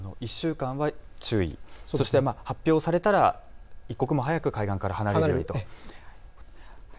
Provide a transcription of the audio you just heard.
１週間は注意、そして発表されたら一刻も早く海岸から離れるということですね。